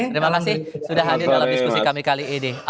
terima kasih sudah hadir dalam diskusi kami kali ini